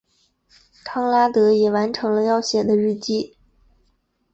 康拉德也完成了要写的日记。